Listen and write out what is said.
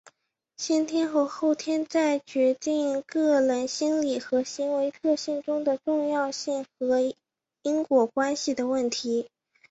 先天与后天在决定个人心理和行为特性中的重要性或因果关系的问题。